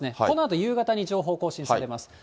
このあと夕方に情報更新されます。